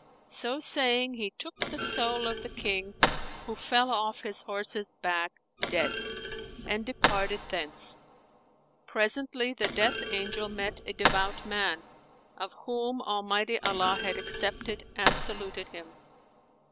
So saying, he took the soul of the King (who fell off his horse's back dead) and departed thence. Presently the Death Angel met a devout man, of whom Almighty Allah had accepted, and saluted him.